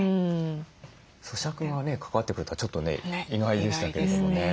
そしゃくがね関わってくるとはちょっとね意外でしたけどね。